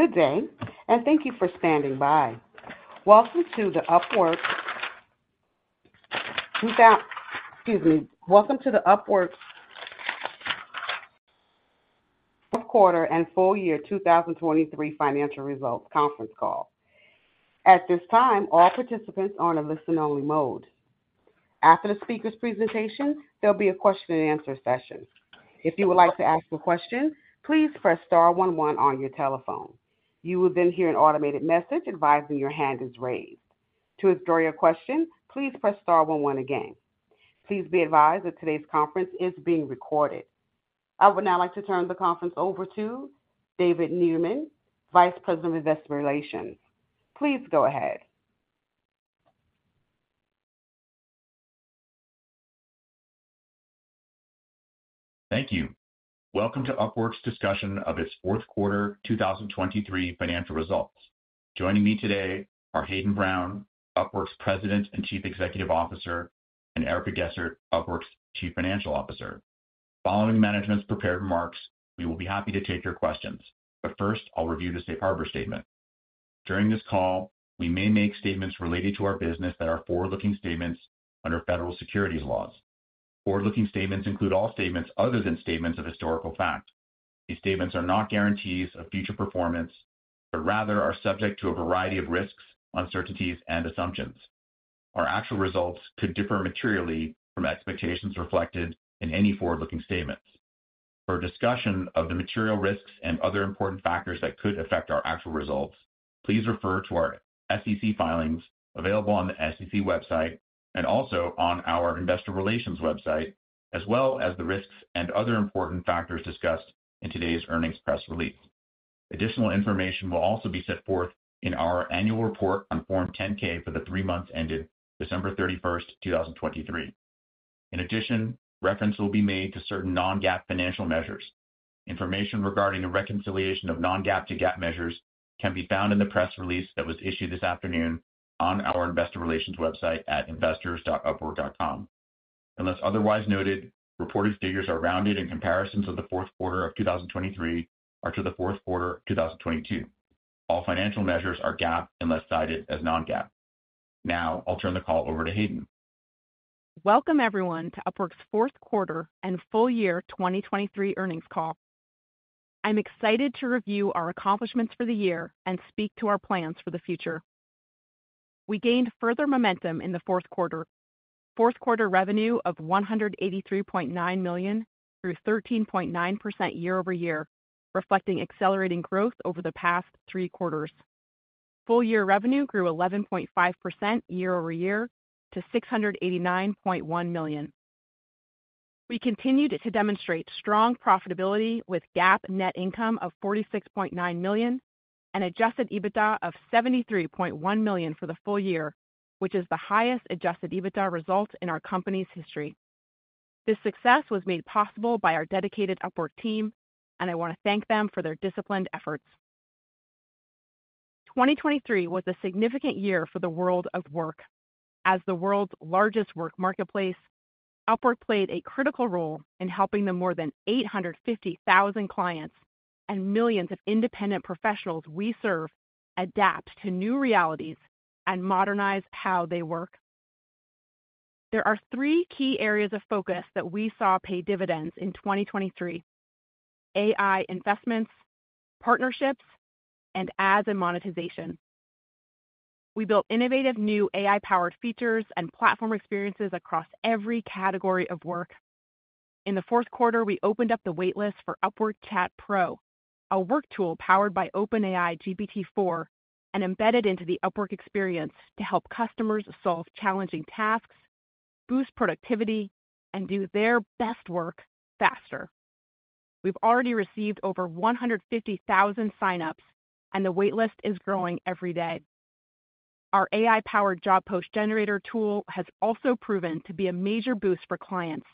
Good day, and thank you for standing by. Welcome to the Upwork, excuse me, welcome to the Upwork Quarter and Full Year 2023 Financial Results Conference Call. At this time, all participants are in a listen-only mode. After the speaker's presentation, there'll be a question-and-answer session. If you would like to ask a question, please press star one one on your telephone. You will then hear an automated message advising your hand is raised. To withdraw your question, please press star one one again. Please be advised that today's conference is being recorded. I would now like to turn the conference over to David Niederman, Vice President of Investor Relations. Please go ahead. Thank you. Welcome to Upwork's discussion of its fourth quarter 2023 financial results. Joining me today are Hayden Brown, Upwork's President and Chief Executive Officer, and Erica Gessert, Upwork's Chief Financial Officer. Following management's prepared remarks, we will be happy to take your questions, but first I'll review the safe harbor statement. During this call, we may make statements related to our business that are forward-looking statements under federal securities laws. Forward-looking statements include all statements other than statements of historical fact. These statements are not guarantees of future performance, but rather are subject to a variety of risks, uncertainties, and assumptions. Our actual results could differ materially from expectations reflected in any forward-looking statements. For a discussion of the material risks and other important factors that could affect our actual results, please refer to our SEC filings available on the SEC website and also on our Investor Relations website, as well as the risks and other important factors discussed in today's earnings press release. Additional information will also be set forth in our annual report on Form 10-K for the three months ended December 31, 2023. In addition, reference will be made to certain non-GAAP financial measures. Information regarding the reconciliation of non-GAAP to GAAP measures can be found in the press release that was issued this afternoon on our Investor Relations website at investors.upwork.com. Unless otherwise noted, reported figures are rounded in comparisons of the fourth quarter of 2023 to the fourth quarter of 2022. All financial measures are GAAP unless cited as non-GAAP. Now I'll turn the call over to Hayden. Welcome everyone to Upwork's fourth quarter and full year 2023 earnings call. I'm excited to review our accomplishments for the year and speak to our plans for the future. We gained further momentum in the fourth quarter, fourth quarter revenue of $183.9 million grew 13.9% year over year, reflecting accelerating growth over the past three quarters. Full year revenue grew 11.5% year over year to $689.1 million. We continued to demonstrate strong profitability with GAAP net income of $46.9 million and adjusted EBITDA of $73.1 million for the full year, which is the highest adjusted EBITDA result in our company's history. This success was made possible by our dedicated Upwork team, and I want to thank them for their disciplined efforts. 2023 was a significant year for the world of work. As the world's largest work marketplace, Upwork played a critical role in helping the more than 850,000 clients and millions of independent professionals we serve adapt to new realities and modernize how they work. There are three key areas of focus that we saw pay dividends in 2023: AI investments, partnerships, and ads and monetization. We built innovative new AI-powered features and platform experiences across every category of work. In the fourth quarter, we opened up the waitlist for Upwork Chat Pro, a work tool powered by OpenAI GPT-4 and embedded into the Upwork experience to help customers solve challenging tasks, boost productivity, and do their best work faster. We've already received over 150,000 signups, and the waitlist is growing every day. Our AI-powered job post generator tool has also proven to be a major boost for clients,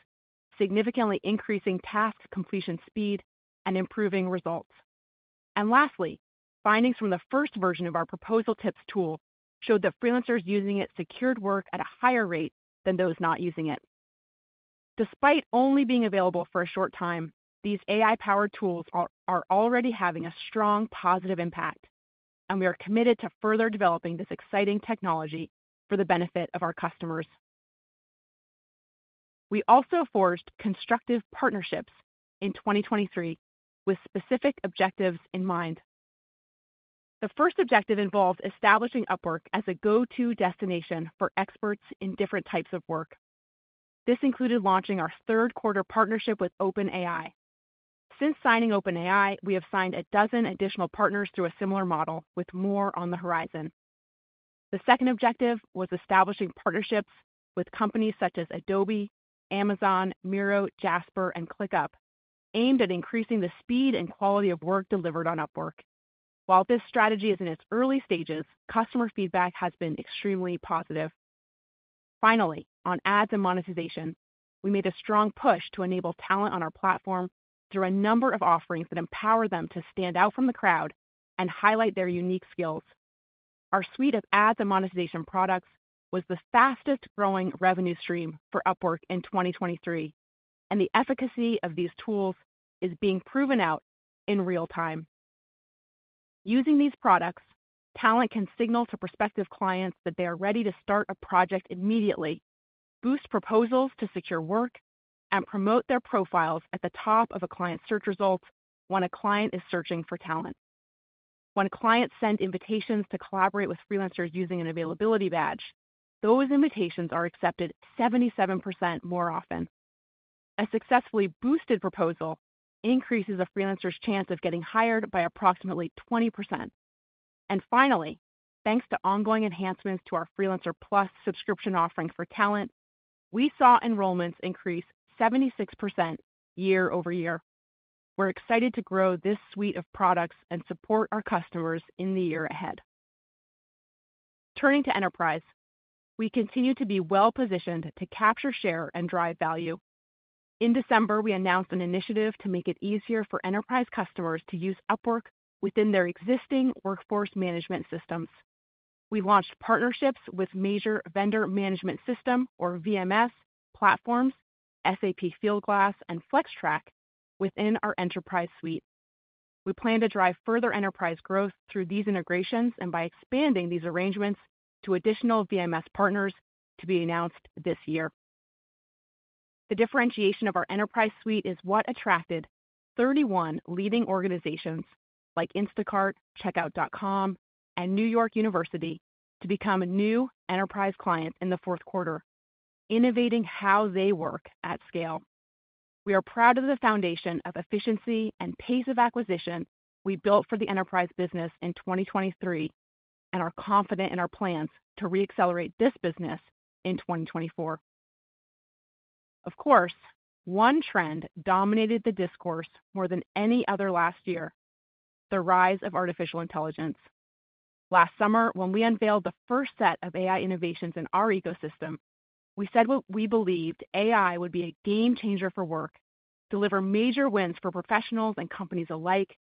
significantly increasing task completion speed and improving results. And lastly, findings from the first version of our proposal tips tool showed that freelancers using it secured work at a higher rate than those not using it. Despite only being available for a short time, these AI-powered tools are already having a strong positive impact, and we are committed to further developing this exciting technology for the benefit of our customers. We also forged constructive partnerships in 2023 with specific objectives in mind. The first objective involved establishing Upwork as a go-to destination for experts in different types of work. This included launching our third quarter partnership with OpenAI. Since signing OpenAI, we have signed a dozen additional partners through a similar model with more on the horizon. The second objective was establishing partnerships with companies such as Adobe, Amazon, Miro, Jasper, and ClickUp, aimed at increasing the speed and quality of work delivered on Upwork. While this strategy is in its early stages, customer feedback has been extremely positive. Finally, on ads and monetization, we made a strong push to enable talent on our platform through a number of offerings that empower them to stand out from the crowd and highlight their unique skills. Our suite of ads and monetization products was the fastest-growing revenue stream for Upwork in 2023, and the efficacy of these tools is being proven out in real time. Using these products, talent can signal to prospective clients that they are ready to start a project immediately, boost proposals to secure work, and promote their profiles at the top of a client's search results when a client is searching for talent. When clients send invitations to collaborate with freelancers using an availability badge, those invitations are accepted 77% more often. A successfully boosted proposal increases a freelancer's chance of getting hired by approximately 20%. And finally, thanks to ongoing enhancements to our Freelancer Plus subscription offering for talent, we saw enrollments increase 76% year-over-year. We're excited to grow this suite of products and support our customers in the year ahead. Turning to enterprise, we continue to be well-positioned to capture share and drive value. In December, we announced an initiative to make it easier for enterprise customers to use Upwork within their existing workforce management systems. We launched partnerships with major vendor management system, or VMS, platforms, SAP Fieldglass, and Flextrack within our enterprise suite. We plan to drive further enterprise growth through these integrations and by expanding these arrangements to additional VMS partners to be announced this year. The differentiation of our enterprise suite is what attracted 31 leading organizations like Instacart, Checkout.com, and New York University to become new enterprise clients in the fourth quarter, innovating how they work at scale. We are proud of the foundation of efficiency and pace of acquisition we built for the enterprise business in 2023 and are confident in our plans to reaccelerate this business in 2024. Of course, one trend dominated the discourse more than any other last year: the rise of artificial intelligence. Last summer, when we unveiled the first set of AI innovations in our ecosystem, we said what we believed AI would be a game-changer for work, deliver major wins for professionals and companies alike,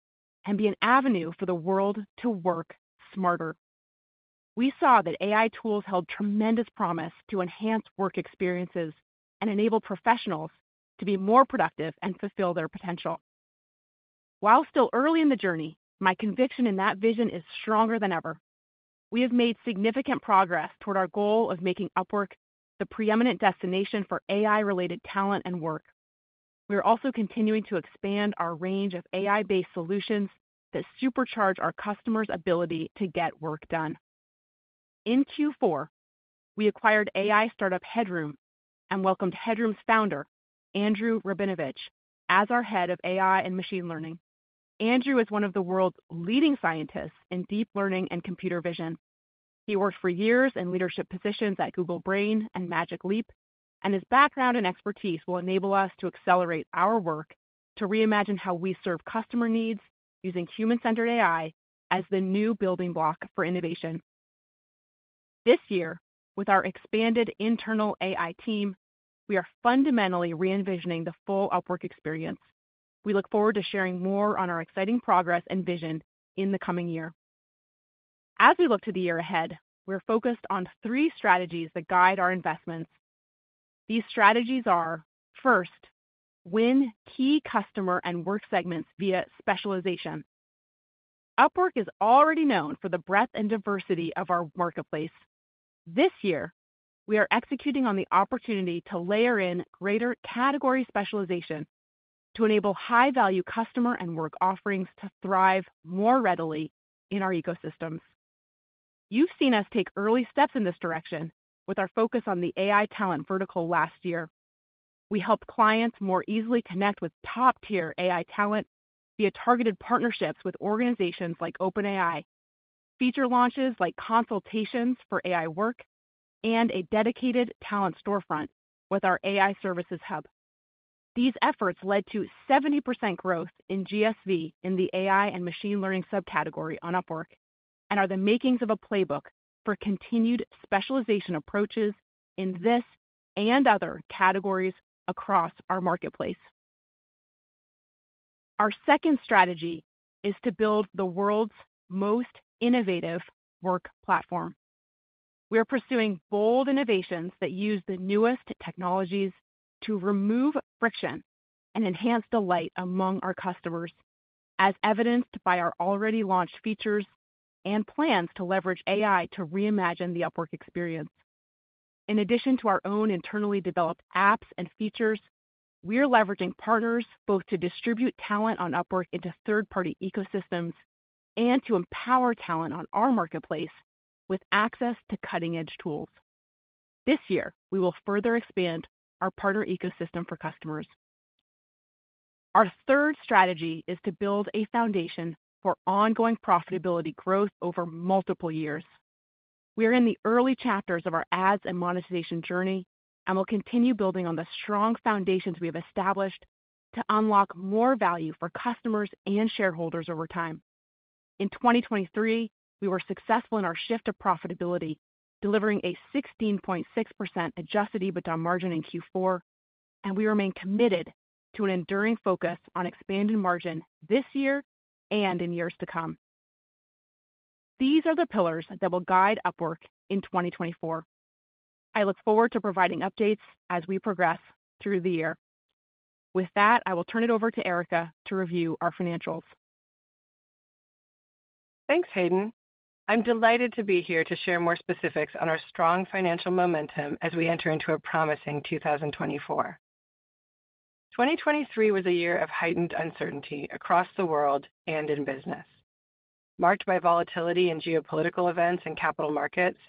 and be an avenue for the world to work smarter. We saw that AI tools held tremendous promise to enhance work experiences and enable professionals to be more productive and fulfill their potential. While still early in the journey, my conviction in that vision is stronger than ever. We have made significant progress toward our goal of making Upwork the preeminent destination for AI-related talent and work. We are also continuing to expand our range of AI-based solutions that supercharge our customers' ability to get work done. In Q4, we acquired AI startup Headroom and welcomed Headroom's founder, Andrew Rabinovich, as our head of AI and machine learning. Andrew is one of the world's leading scientists in deep learning and computer vision. He worked for years in leadership positions at Google Brain and Magic Leap, and his background and expertise will enable us to accelerate our work to reimagine how we serve customer needs using human-centered AI as the new building block for innovation. This year, with our expanded internal AI team, we are fundamentally re-envisioning the full Upwork experience. We look forward to sharing more on our exciting progress and vision in the coming year. As we look to the year ahead, we're focused on three strategies that guide our investments. These strategies are: first, win key customer and work segments via specialization. Upwork is already known for the breadth and diversity of our marketplace. This year, we are executing on the opportunity to layer in greater category specialization to enable high-value customer and work offerings to thrive more readily in our ecosystems. You've seen us take early steps in this direction with our focus on the AI talent vertical last year. We helped clients more easily connect with top-tier AI talent via targeted partnerships with organizations like OpenAI, feature launches like consultations for AI work, and a dedicated talent storefront with our AI services hub. These efforts led to 70% growth in GSV in the AI and machine learning subcategory on Upwork and are the makings of a playbook for continued specialization approaches in this and other categories across our marketplace. Our second strategy is to build the world's most innovative work platform. We are pursuing bold innovations that use the newest technologies to remove friction and enhance delight among our customers, as evidenced by our already launched features and plans to leverage AI to reimagine the Upwork experience. In addition to our own internally developed apps and features, we are leveraging partners both to distribute talent on Upwork into third-party ecosystems and to empower talent on our marketplace with access to cutting-edge tools. This year, we will further expand our partner ecosystem for customers. Our third strategy is to build a foundation for ongoing profitability growth over multiple years. We are in the early chapters of our ads and monetization journey and will continue building on the strong foundations we have established to unlock more value for customers and shareholders over time. In 2023, we were successful in our shift to profitability, delivering a 16.6% Adjusted EBITDA margin in Q4, and we remain committed to an enduring focus on expanding margin this year and in years to come. These are the pillars that will guide Upwork in 2024. I look forward to providing updates as we progress through the year. With that, I will turn it over to Erica to review our financials. Thanks, Hayden. I'm delighted to be here to share more specifics on our strong financial momentum as we enter into a promising 2024. 2023 was a year of heightened uncertainty across the world and in business. Marked by volatility in geopolitical events and capital markets,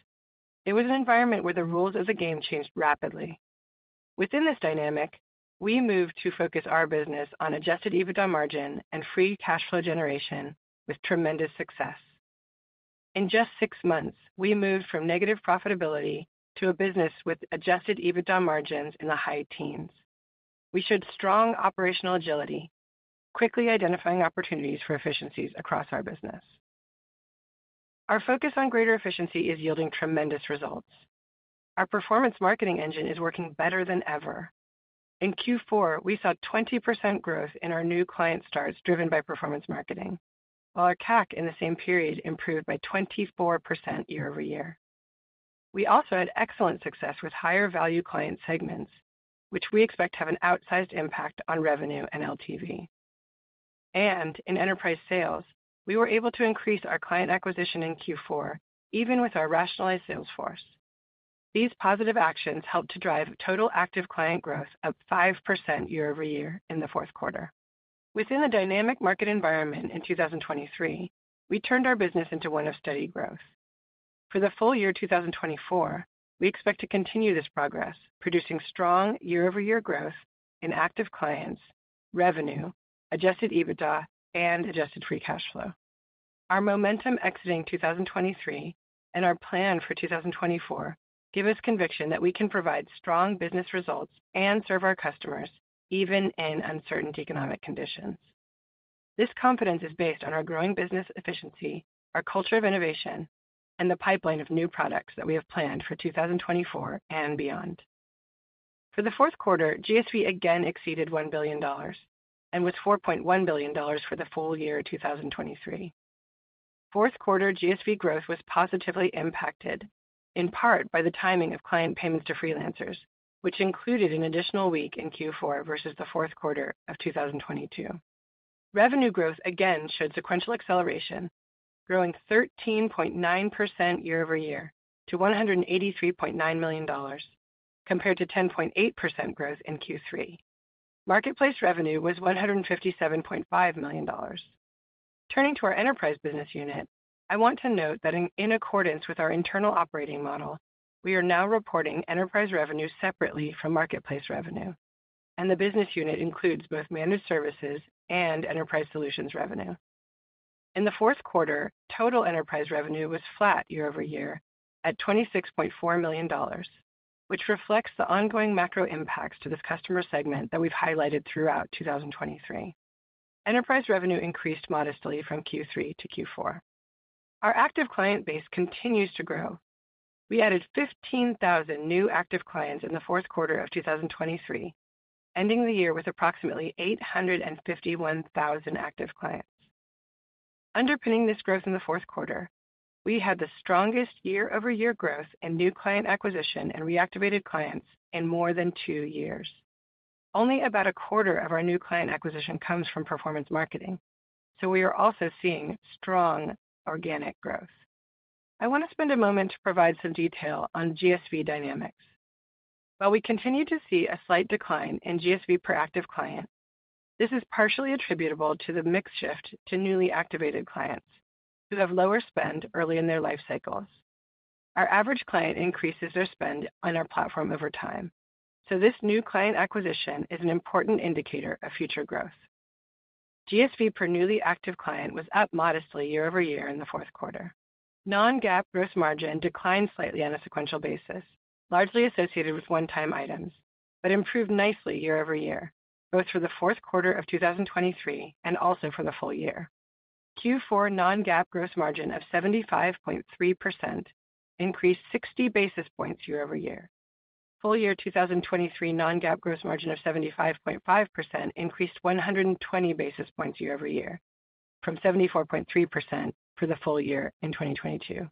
it was an environment where the rules of the game changed rapidly. Within this dynamic, we moved to focus our business on Adjusted EBITDA margin and free cash flow generation with tremendous success. In just six months, we moved from negative profitability to a business with Adjusted EBITDA margins in the high teens. We showed strong operational agility, quickly identifying opportunities for efficiencies across our business. Our focus on greater efficiency is yielding tremendous results. Our performance marketing engine is working better than ever. In Q4, we saw 20% growth in our new client starts driven by performance marketing, while our CAC in the same period improved by 24% year-over-year. We also had excellent success with higher-value client segments, which we expect to have an outsized impact on revenue and LTV. In enterprise sales, we were able to increase our client acquisition in Q4 even with our rationalized sales force. These positive actions helped to drive total active client growth up 5% year-over-year in the fourth quarter. Within the dynamic market environment in 2023, we turned our business into one of steady growth. For the full year 2024, we expect to continue this progress, producing strong year-over-year growth in active clients, revenue, Adjusted EBITDA, and Adjusted Free Cash Flow. Our momentum exiting 2023 and our plan for 2024 give us conviction that we can provide strong business results and serve our customers even in uncertain economic conditions. This confidence is based on our growing business efficiency, our culture of innovation, and the pipeline of new products that we have planned for 2024 and beyond. For the fourth quarter, GSV again exceeded $1 billion and was $4.1 billion for the full year 2023. Fourth quarter GSV growth was positively impacted, in part, by the timing of client payments to freelancers, which included an additional week in Q4 versus the fourth quarter of 2022. Revenue growth again showed sequential acceleration, growing 13.9% year-over-year to $183.9 million compared to 10.8% growth in Q3. Marketplace revenue was $157.5 million. Turning to our enterprise business unit, I want to note that in accordance with our internal operating model, we are now reporting enterprise revenue separately from marketplace revenue, and the business unit includes both managed services and enterprise solutions revenue. In the fourth quarter, total enterprise revenue was flat year-over-year at $26.4 million, which reflects the ongoing macro impacts to this customer segment that we've highlighted throughout 2023. Enterprise revenue increased modestly from Q3 to Q4. Our active client base continues to grow. We added 15,000 new active clients in the fourth quarter of 2023, ending the year with approximately 851,000 active clients. Underpinning this growth in the fourth quarter, we had the strongest year-over-year growth in new client acquisition and reactivated clients in more than two years. Only about a quarter of our new client acquisition comes from performance marketing, so we are also seeing strong organic growth. I want to spend a moment to provide some detail on GSV dynamics. While we continue to see a slight decline in GSV per active client, this is partially attributable to the mix shift to newly activated clients who have lower spend early in their life cycles. Our average client increases their spend on our platform over time, so this new client acquisition is an important indicator of future growth. GSV per newly active client was up modestly year-over-year in the fourth quarter. Non-GAAP gross margin declined slightly on a sequential basis, largely associated with one-time items, but improved nicely year-over-year, both for the fourth quarter of 2023 and also for the full year. Q4 non-GAAP gross margin of 75.3% increased 60 basis points year over year. Full year 2023 non-GAAP gross margin of 75.5% increased 120 basis points year over year from 74.3% for the full year in 2022.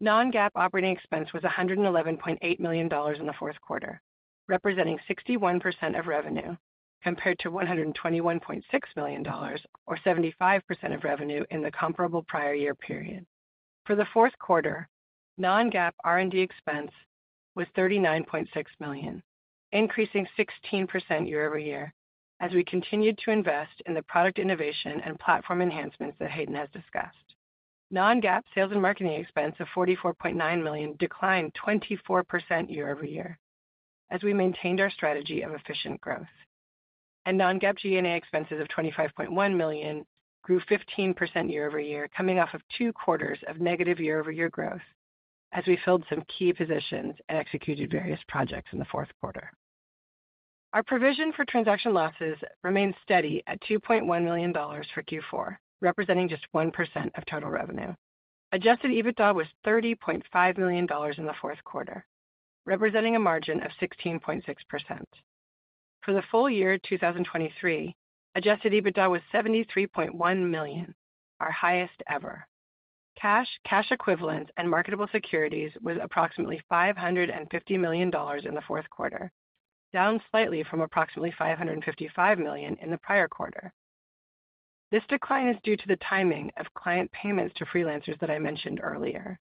Non-GAAP operating expense was $111.8 million in the fourth quarter, representing 61% of revenue compared to $121.6 million or 75% of revenue in the comparable prior year period. For the fourth quarter, non-GAAP R&D expense was $39.6 million, increasing 16% year over year as we continued to invest in the product innovation and platform enhancements that Hayden has discussed. Non-GAAP sales and marketing expense of $44.9 million declined 24% year over year as we maintained our strategy of efficient growth. Non-GAAP G&A expenses of $25.1 million grew 15% year over year, coming off of two quarters of negative year-over-year growth as we filled some key positions and executed various projects in the fourth quarter. Our provision for transaction losses remained steady at $2.1 million for Q4, representing just 1% of total revenue. Adjusted EBITDA was $30.5 million in the fourth quarter, representing a margin of 16.6%. For the full year 2023, adjusted EBITDA was $73.1 million, our highest ever. Cash, cash equivalents, and marketable securities was approximately $550 million in the fourth quarter, down slightly from approximately $555 million in the prior quarter. This decline is due to the timing of client payments to freelancers that I mentioned earlier.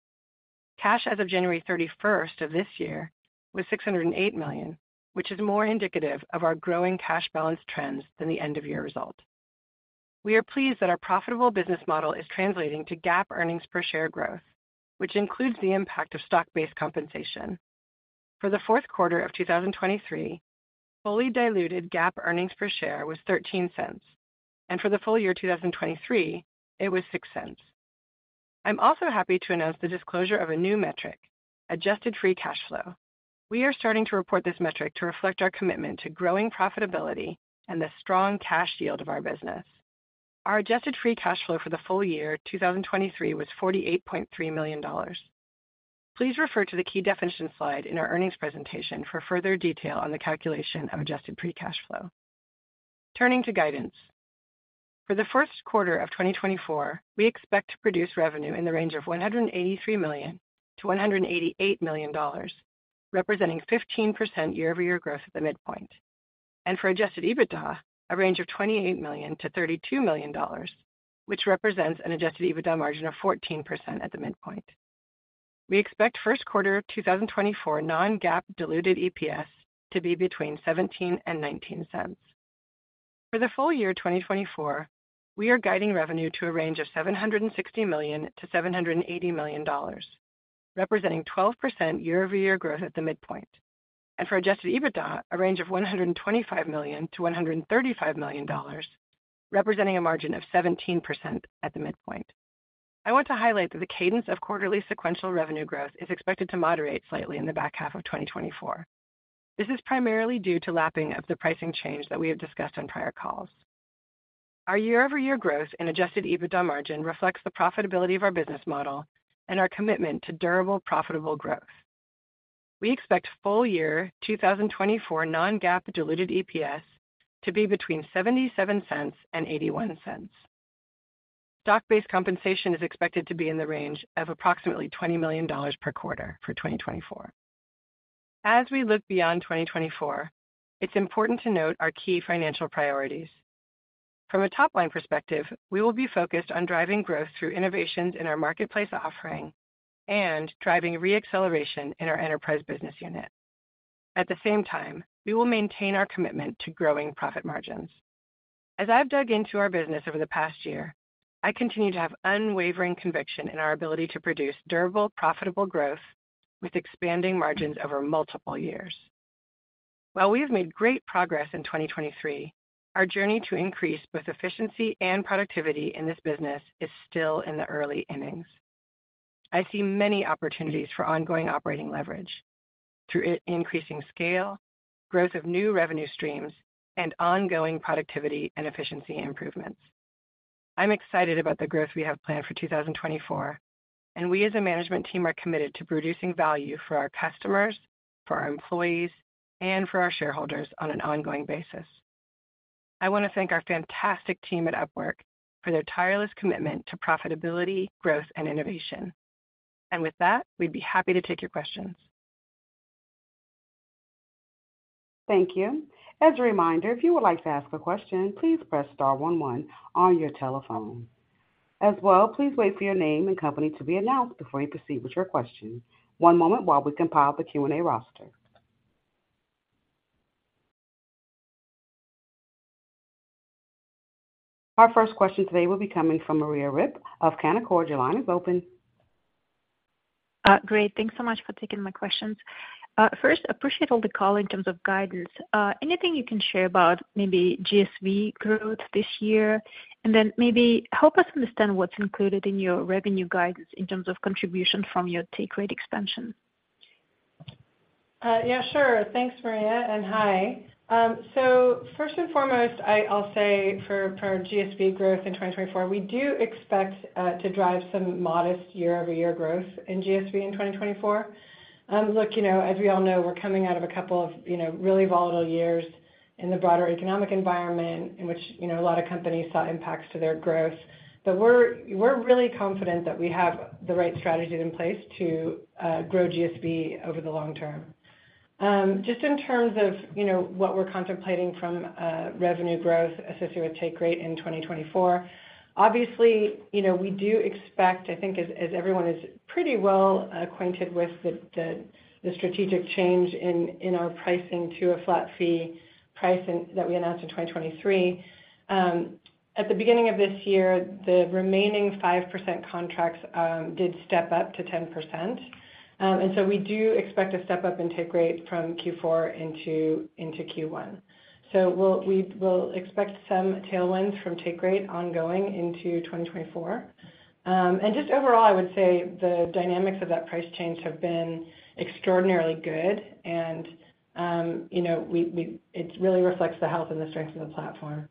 Cash as of January 31st of this year was $608 million, which is more indicative of our growing cash balance trends than the end-of-year result. We are pleased that our profitable business model is translating to GAAP earnings per share growth, which includes the impact of stock-based compensation. For the fourth quarter of 2023, fully diluted GAAP earnings per share was $0.13, and for the full year 2023, it was $0.06. I'm also happy to announce the disclosure of a new metric, adjusted free cash flow. We are starting to report this metric to reflect our commitment to growing profitability and the strong cash yield of our business. Our adjusted free cash flow for the full year 2023 was $48.3 million. Please refer to the key definition slide in our earnings presentation for further detail on the calculation of adjusted free cash flow. Turning to guidance. For the first quarter of 2024, we expect to produce revenue in the range of $183 million-$188 million, representing 15% year-over-year growth at the midpoint. For adjusted EBITDA, a range of $28 million-$32 million, which represents an adjusted EBITDA margin of 14% at the midpoint. We expect first quarter 2024 non-GAAP diluted EPS to be between $0.17-$0.19. For the full year 2024, we are guiding revenue to a range of $760 million-$780 million, representing 12% year-over-year growth at the midpoint. For adjusted EBITDA, a range of $125 million-$135 million, representing a margin of 17% at the midpoint. I want to highlight that the cadence of quarterly sequential revenue growth is expected to moderate slightly in the back half of 2024. This is primarily due to lapping of the pricing change that we have discussed on prior calls. Our year-over-year growth in adjusted EBITDA margin reflects the profitability of our business model and our commitment to durable, profitable growth. We expect full year 2024 non-GAAP diluted EPS to be between $0.77 and $0.81. Stock-based compensation is expected to be in the range of approximately $20 million per quarter for 2024. As we look beyond 2024, it's important to note our key financial priorities. From a top-line perspective, we will be focused on driving growth through innovations in our marketplace offering and driving reacceleration in our enterprise business unit. At the same time, we will maintain our commitment to growing profit margins. As I've dug into our business over the past year, I continue to have unwavering conviction in our ability to produce durable, profitable growth with expanding margins over multiple years. While we have made great progress in 2023, our journey to increase both efficiency and productivity in this business is still in the early innings. I see many opportunities for ongoing operating leverage through increasing scale, growth of new revenue streams, and ongoing productivity and efficiency improvements. I'm excited about the growth we have planned for 2024, and we as a management team are committed to producing value for our customers, for our employees, and for our shareholders on an ongoing basis. I want to thank our fantastic team at Upwork for their tireless commitment to profitability, growth, and innovation. With that, we'd be happy to take your questions. Thank you. As a reminder, if you would like to ask a question, please press star 11 on your telephone. As well, please wait for your name and company to be announced before you proceed with your question. One moment while we compile the Q&A roster. Our first question today will be coming from Maria Ripps of Canaccord. Your line is open. Great. Thanks so much for taking my questions. First, appreciate all the color in terms of guidance. Anything you can share about maybe GSV growth this year, and then maybe help us understand what's included in your revenue guidance in terms of contribution from your take rate expansion? Yeah, sure. Thanks, Maria, and hi. So first and foremost, I'll say for GSV growth in 2024, we do expect to drive some modest year-over-year growth in GSV in 2024. Look, as we all know, we're coming out of a couple of really volatile years in the broader economic environment in which a lot of companies saw impacts to their growth. But we're really confident that we have the right strategies in place to grow GSV over the long term. Just in terms of what we're contemplating from revenue growth associated with Take Rate in 2024, obviously, we do expect, I think, as everyone is pretty well acquainted with the strategic change in our pricing to a flat fee price that we announced in 2023, at the beginning of this year, the remaining 5% contracts did step up to 10%. We do expect a step-up in Take Rate from Q4 into Q1. We'll expect some tailwinds from Take Rate ongoing into 2024. Just overall, I would say the dynamics of that price change have been extraordinarily good, and it really reflects the health and the strength of the platform.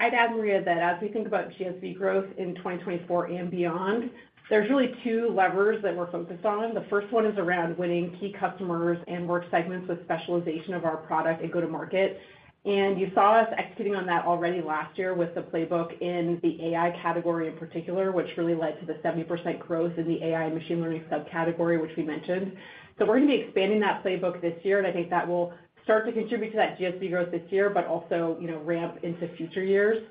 I'd add, Maria, that as we think about GSV growth in 2024 and beyond, there's really two levers that we're focused on. The first one is around winning key customers and work segments with specialization of our product and go-to-market. And you saw us executing on that already last year with the playbook in the AI category in particular, which really led to the 70% growth in the AI and machine learning subcategory, which we mentioned. So we're going to be expanding that playbook this year, and I think that will start to contribute to that GSV growth this year but also ramp into future years.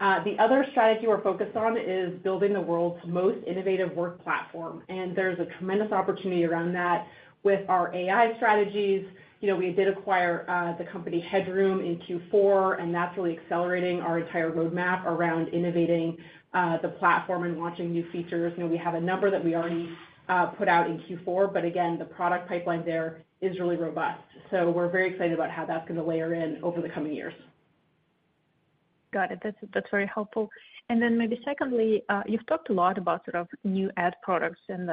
The other strategy we're focused on is building the world's most innovative work platform, and there's a tremendous opportunity around that with our AI strategies. We did acquire the company Headroom in Q4, and that's really accelerating our entire roadmap around innovating the platform and launching new features. We have a number that we already put out in Q4, but again, the product pipeline there is really robust. So we're very excited about how that's going to layer in over the coming years. Got it. That's very helpful. And then maybe secondly, you've talked a lot about sort of new add products and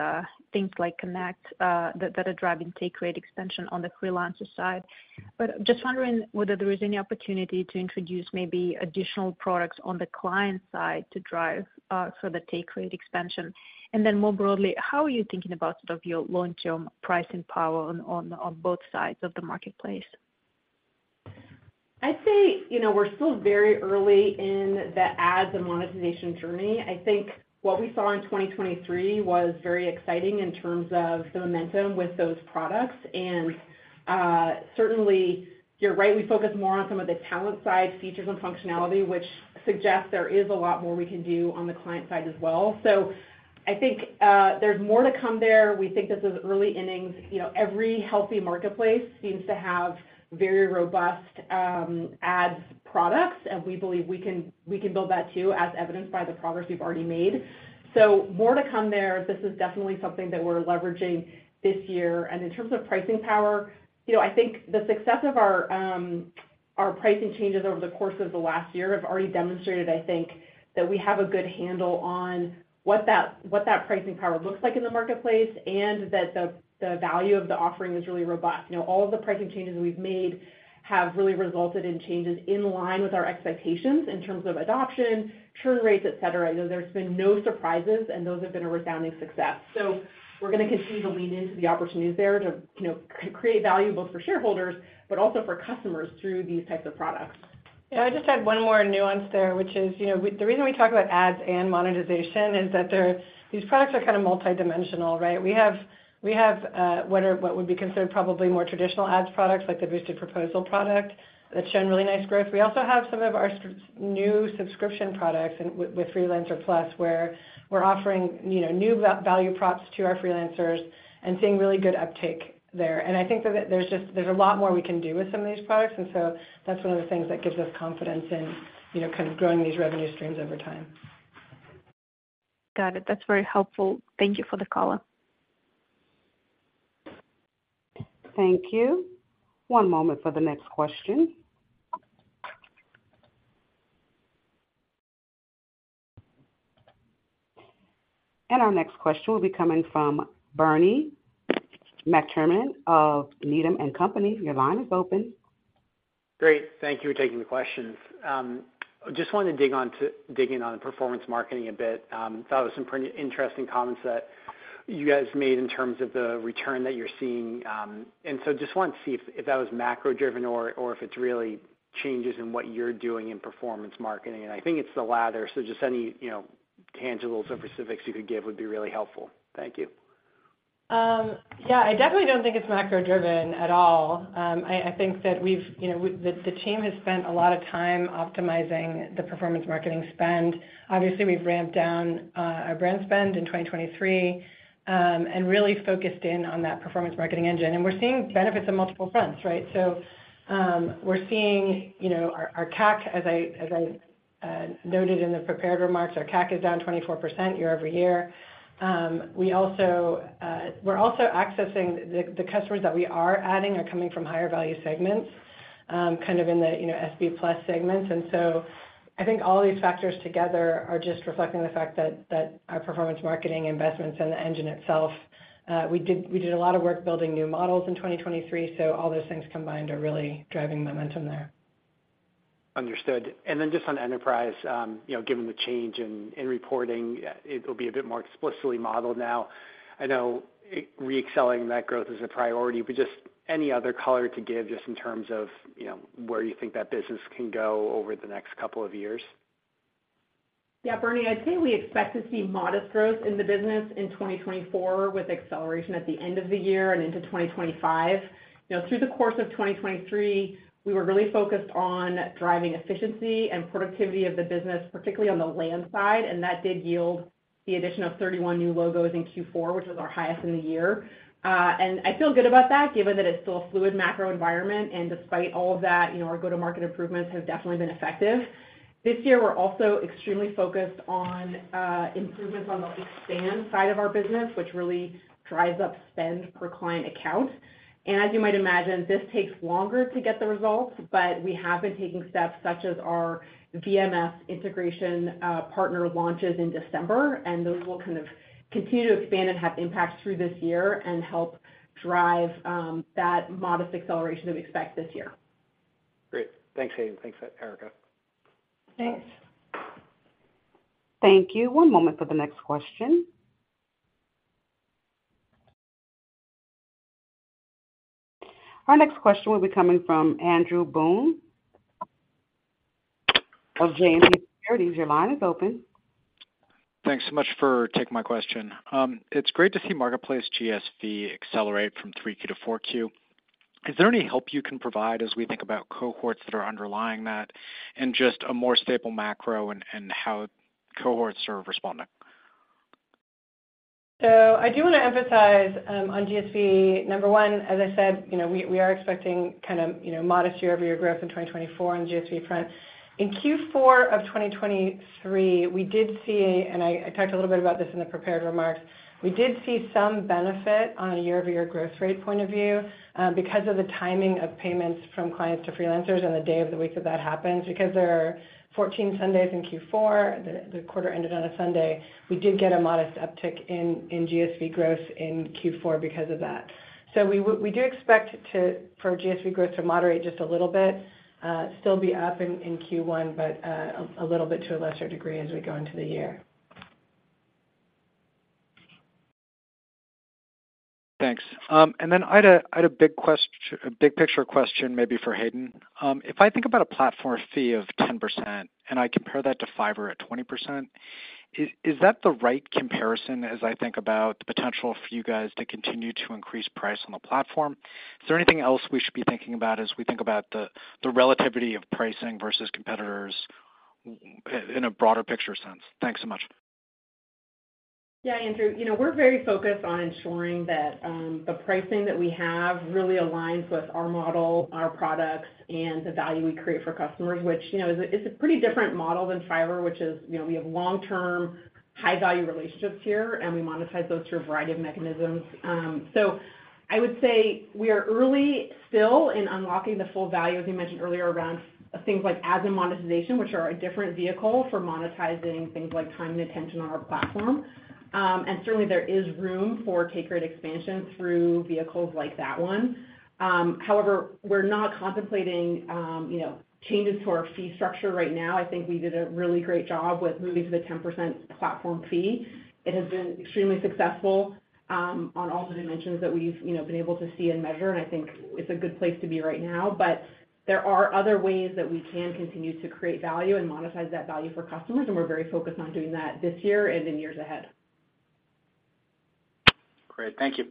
things like Connect that are driving take rate expansion on the freelancer side. But just wondering whether there is any opportunity to introduce maybe additional products on the client side to drive further take rate expansion? And then more broadly, how are you thinking about sort of your long-term pricing power on both sides of the marketplace? I'd say we're still very early in the ads and monetization journey. I think what we saw in 2023 was very exciting in terms of the momentum with those products. Certainly, you're right, we focus more on some of the talent-side features and functionality, which suggests there is a lot more we can do on the client side as well. I think there's more to come there. We think this is early innings. Every healthy marketplace seems to have very robust ads products, and we believe we can build that too as evidenced by the progress we've already made. More to come there. This is definitely something that we're leveraging this year. In terms of pricing power, I think the success of our pricing changes over the course of the last year have already demonstrated, I think, that we have a good handle on what that pricing power looks like in the marketplace and that the value of the offering is really robust. All of the pricing changes we've made have really resulted in changes in line with our expectations in terms of adoption, churn rates, etc. There's been no surprises, and those have been a resounding success. We're going to continue to lean into the opportunities there to create value both for shareholders but also for customers through these types of products. Yeah. I just had one more nuance there, which is the reason we talk about ads and monetization is that these products are kind of multi-dimensional, right? We have what would be considered probably more traditional ads products like the boosted proposal product that's shown really nice growth. We also have some of our new subscription products with Freelancer Plus where we're offering new value props to our freelancers and seeing really good uptake there. And I think that there's a lot more we can do with some of these products, and so that's one of the things that gives us confidence in kind of growing these revenue streams over time. Got it. That's very helpful. Thank you for the call. Thank you. One moment for the next question. Our next question will be coming from Bernie McTernan of Needham & Company. Your line is open. Great. Thank you for taking the questions. Just wanted to dig in on performance marketing a bit. Thought it was some pretty interesting comments that you guys made in terms of the return that you're seeing. So just wanted to see if that was macro-driven or if it's really changes in what you're doing in performance marketing. I think it's the latter, so just any tangibles or specifics you could give would be really helpful. Thank you. Yeah. I definitely don't think it's macro-driven at all. I think that the team has spent a lot of time optimizing the performance marketing spend. Obviously, we've ramped down our brand spend in 2023 and really focused in on that performance marketing engine. And we're seeing benefits on multiple fronts, right? So we're seeing our CAC, as I noted in the prepared remarks, our CAC is down 24% year-over-year. We're also accessing the customers that we are adding are coming from higher-value segments kind of in the SB Plus segments. And so I think all these factors together are just reflecting the fact that our performance marketing investments and the engine itself, we did a lot of work building new models in 2023, so all those things combined are really driving momentum there. Understood. And then just on enterprise, given the change in reporting, it'll be a bit more explicitly modeled now. I know reaccelerating that growth is a priority, but just any other color to give just in terms of where you think that business can go over the next couple of years? Yeah. Bernie, I'd say we expect to see modest growth in the business in 2024 with acceleration at the end of the year and into 2025. Through the course of 2023, we were really focused on driving efficiency and productivity of the business, particularly on the land side, and that did yield the addition of 31 new logos in Q4, which was our highest in the year. And I feel good about that given that it's still a fluid macro environment, and despite all of that, our go-to-market improvements have definitely been effective. This year, we're also extremely focused on improvements on the expand side of our business, which really drives up spend per client account. As you might imagine, this takes longer to get the results, but we have been taking steps such as our VMS integration partner launches in December, and those will kind of continue to expand and have impact through this year and help drive that modest acceleration that we expect this year. Great. Thanks, Hayden. Thanks, Erica. Thanks. Thank you. One moment for the next question. Our next question will be coming from Andrew Boone of JMP Securities. Your line is open. Thanks so much for taking my question. It's great to see marketplace GSV accelerate from 3Q to 4Q. Is there any help you can provide as we think about cohorts that are underlying that and just a more stable macro and how cohorts are responding? So I do want to emphasize on GSV, number one, as I said, we are expecting kind of modest year-over-year growth in 2024 on the GSV front. In Q4 of 2023, we did see, and I talked a little bit about this in the prepared remarks, we did see some benefit on a year-over-year growth rate point of view because of the timing of payments from clients to freelancers and the day of the week that that happens. Because there are 14 Sundays in Q4, the quarter ended on a Sunday, we did get a modest uptick in GSV growth in Q4 because of that. So we do expect for GSV growth to moderate just a little bit, still be up in Q1, but a little bit to a lesser degree as we go into the year. Thanks. And then I had a big picture question maybe for Hayden. If I think about a platform fee of 10% and I compare that to Fiverr at 20%, is that the right comparison as I think about the potential for you guys to continue to increase price on the platform? Is there anything else we should be thinking about as we think about the relativity of pricing versus competitors in a broader picture sense? Thanks so much. Yeah, Andrew. We're very focused on ensuring that the pricing that we have really aligns with our model, our products, and the value we create for customers, which is a pretty different model than Fiverr, which is we have long-term, high-value relationships here, and we monetize those through a variety of mechanisms. So I would say we are early still in unlocking the full value, as you mentioned earlier, around things like ads and monetization, which are a different vehicle for monetizing things like time and attention on our platform. And certainly, there is room for take rate expansion through vehicles like that one. However, we're not contemplating changes to our fee structure right now. I think we did a really great job with moving to the 10% platform fee. It has been extremely successful on all the dimensions that we've been able to see and measure, and I think it's a good place to be right now. But there are other ways that we can continue to create value and monetize that value for customers, and we're very focused on doing that this year and in years ahead. Great. Thank you.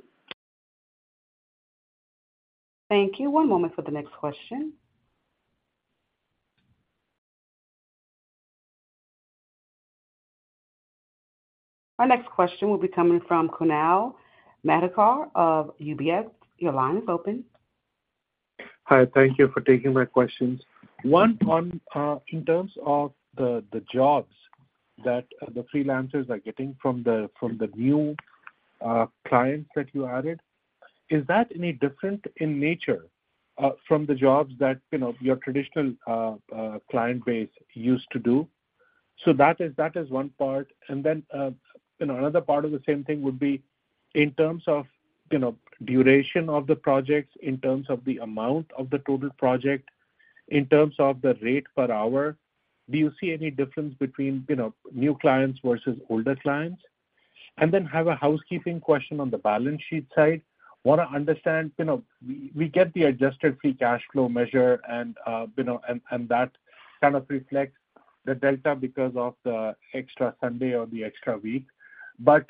Thank you. One moment for the next question. Our next question will be coming from Kunal Madhukar of UBS. Your line is open. Hi. Thank you for taking my questions. One, in terms of the jobs that the freelancers are getting from the new clients that you added, is that any different in nature from the jobs that your traditional client base used to do? So that is one part. And then another part of the same thing would be in terms of duration of the projects, in terms of the amount of the total project, in terms of the rate per hour, do you see any difference between new clients versus older clients? And then I have a housekeeping question on the balance sheet side. Want to understand we get the Adjusted Free Cash Flow measure, and that kind of reflects the delta because of the extra Sunday or the extra week. But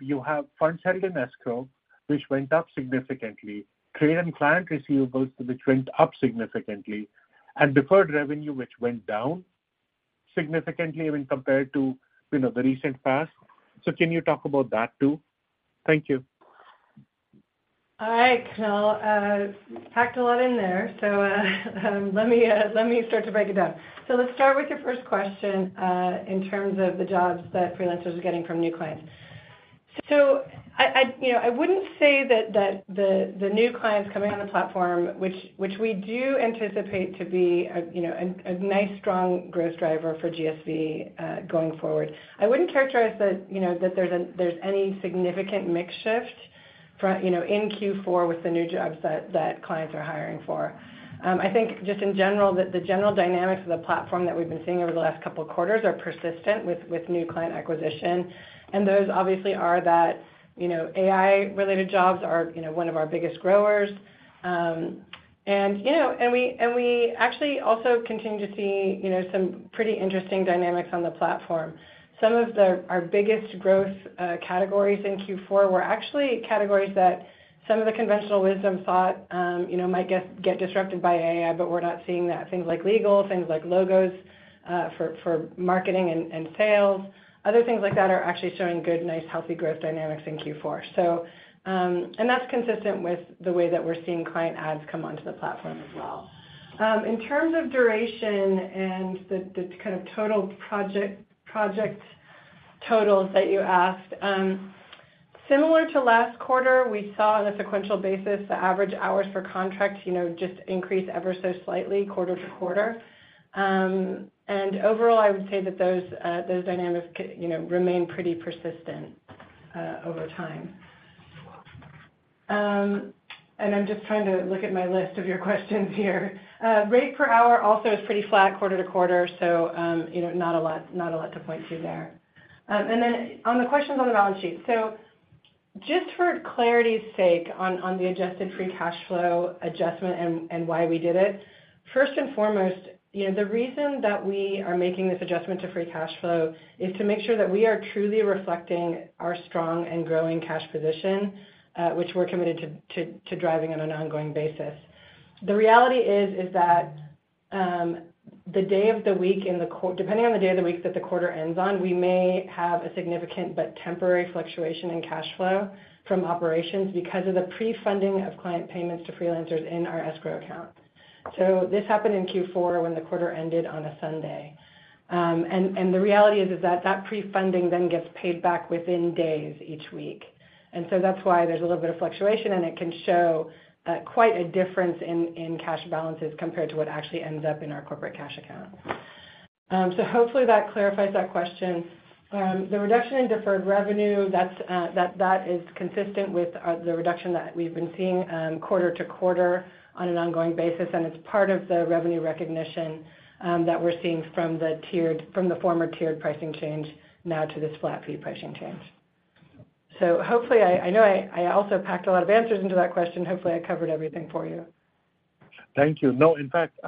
you have funds held in escrow, which went up significantly, trade and client receivables, which went up significantly, and deferred revenue, which went down significantly compared to the recent past. So can you talk about that too? Thank you. All right, Kunal. Packed a lot in there, so let me start to break it down. So let's start with your first question in terms of the jobs that freelancers are getting from new clients. So I wouldn't say that the new clients coming on the platform, which we do anticipate to be a nice, strong growth driver for GSV going forward, I wouldn't characterize that there's any significant mix shift in Q4 with the new jobs that clients are hiring for. I think just in general, the general dynamics of the platform that we've been seeing over the last couple of quarters are persistent with new client acquisition. And those obviously are that AI-related jobs are one of our biggest growers. And we actually also continue to see some pretty interesting dynamics on the platform. Some of our biggest growth categories in Q4 were actually categories that some of the conventional wisdom thought might get disrupted by AI, but we're not seeing that. Things like legal, things like logos for marketing and sales, other things like that are actually showing good, nice, healthy growth dynamics in Q4. And that's consistent with the way that we're seeing client ads come onto the platform as well. In terms of duration and the kind of total project totals that you asked, similar to last quarter, we saw on a sequential basis the average hours per contract just increase ever so slightly quarter to quarter. And overall, I would say that those dynamics remain pretty persistent over time. And I'm just trying to look at my list of your questions here. Rate per hour also is pretty flat quarter to quarter, so not a lot to point to there. On the questions on the balance sheet. Just for clarity's sake on the Adjusted Free Cash Flow adjustment and why we did it, first and foremost, the reason that we are making this adjustment to Free Cash Flow is to make sure that we are truly reflecting our strong and growing cash position, which we're committed to driving on an ongoing basis. The reality is that the day of the week, depending on the day of the week that the quarter ends on, we may have a significant but temporary fluctuation in cash flow from operations because of the pre-funding of client payments to freelancers in our escrow account. This happened in Q4 when the quarter ended on a Sunday. The reality is that that pre-funding then gets paid back within days each week. And so that's why there's a little bit of fluctuation, and it can show quite a difference in cash balances compared to what actually ends up in our corporate cash account. So hopefully, that clarifies that question. The reduction in deferred revenue, that is consistent with the reduction that we've been seeing quarter-over-quarter on an ongoing basis, and it's part of the revenue recognition that we're seeing from the former tiered pricing change now to this flat fee pricing change. So hopefully, I know I also packed a lot of answers into that question. Hopefully, I covered everything for you. Thank you. No, in fact,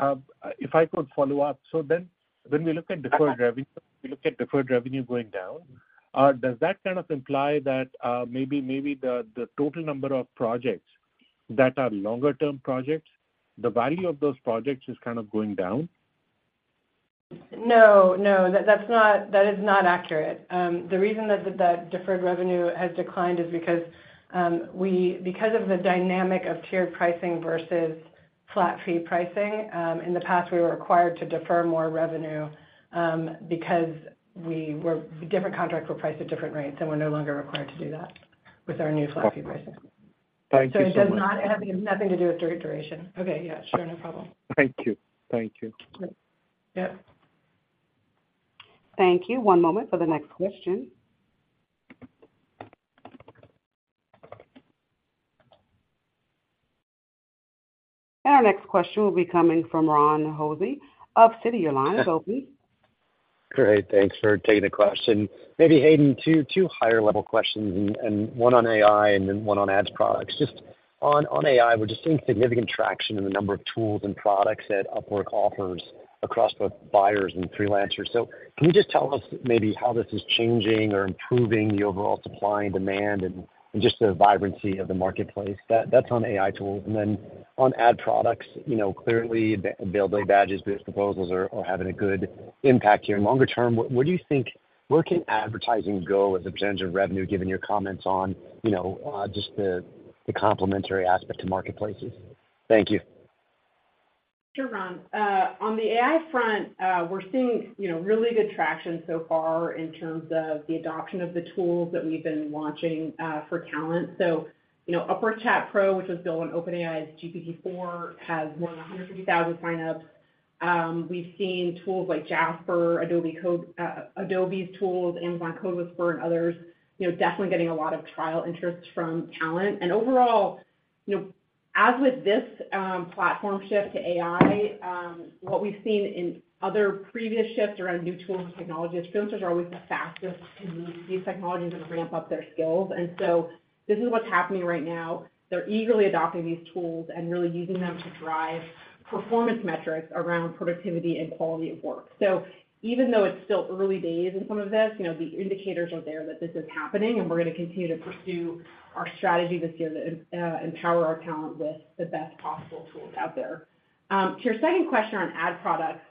if I could follow up. So then when we look at deferred revenue, we look at deferred revenue going down. Does that kind of imply that maybe the total number of projects that are longer-term projects, the value of those projects is kind of going down? No, no. That is not accurate. The reason that deferred revenue has declined is because of the dynamic of tiered pricing versus flat fee pricing. In the past, we were required to defer more revenue because different contracts were priced at different rates, and we're no longer required to do that with our new flat fee pricing. Thank you so much. So it has nothing to do with duration. Okay. Yeah. Sure. No problem. Thank you. Thank you. Great. Yep. Thank you. One moment for the next question. Our next question will be coming from Ron Josey of Citi. Your line is open. Great. Thanks for taking the question. Maybe, Hayden, two higher-level questions and one on AI and then one on ads products. Just on AI, we're just seeing significant traction in the number of tools and products that Upwork offers across both buyers and freelancers. So can you just tell us maybe how this is changing or improving the overall supply and demand and just the vibrancy of the marketplace? That's on AI tools. And then on ad products, clearly, availability badges, business proposals are having a good impact here. Longer term, where do you think where can advertising go as a potential revenue given your comments on just the complementary aspect to marketplaces? Thank you. Sure, Ron. On the AI front, we're seeing really good traction so far in terms of the adoption of the tools that we've been launching for talent. So Upwork Chat Pro, which was built on OpenAI's GPT-4, has more than 150,000 signups. We've seen tools like Jasper, Adobe's tools, Amazon CodeWhisperer, and others definitely getting a lot of trial interest from talent. And overall, as with this platform shift to AI, what we've seen in other previous shifts around new tools and technologies, freelancers are always the fastest to move to these technologies and ramp up their skills. And so this is what's happening right now. They're eagerly adopting these tools and really using them to drive performance metrics around productivity and quality of work. So even though it's still early days in some of this, the indicators are there that this is happening, and we're going to continue to pursue our strategy this year to empower our talent with the best possible tools out there. To your second question on ad products,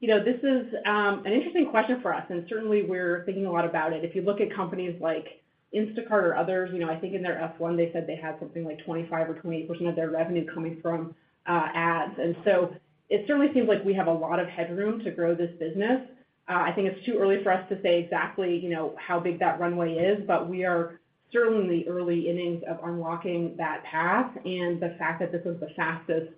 this is an interesting question for us, and certainly, we're thinking a lot about it. If you look at companies like Instacart or others, I think in their F1, they said they had something like 25% or 28% of their revenue coming from ads. And so it certainly seems like we have a lot of headroom to grow this business. I think it's too early for us to say exactly how big that runway is, but we are certainly in the early innings of unlocking that path. The fact that this was the fastest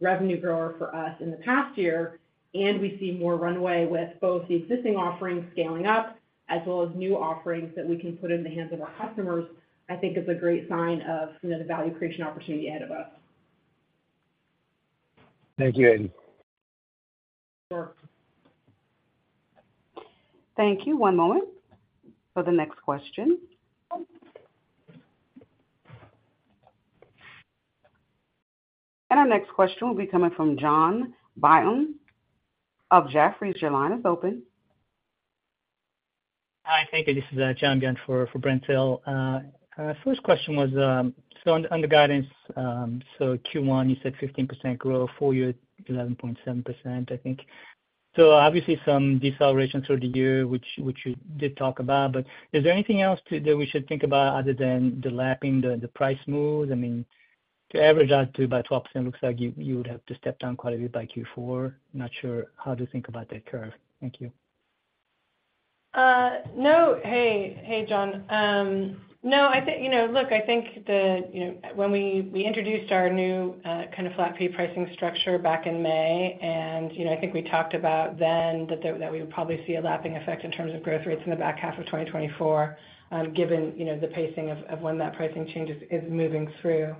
revenue grower for us in the past year, and we see more runway with both the existing offerings scaling up as well as new offerings that we can put in the hands of our customers, I think is a great sign of the value creation opportunity ahead of us. Thank you, Hayden. Sure. Thank you. One moment for the next question. Our next question will be coming from John Byun of Jefferies. Your line is open. Hi. Thank you. This is John Byun for Brent Hill. First question was so under guidance, so Q1, you said 15% growth, full year, 11.7%, I think. So obviously, some deceleration through the year, which you did talk about. But is there anything else that we should think about other than the lapping, the price moves? I mean, to average out to about 12%, it looks like you would have to step down quite a bit by Q4. Not sure how to think about that curve. Thank you. No. Hey, John. No, look, I think when we introduced our new kind of flat fee pricing structure back in May, and I think we talked about then that we would probably see a lapping effect in terms of growth rates in the back half of 2024 given the pacing of when that pricing change is moving through.